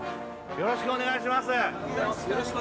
◆よろしくお願いします。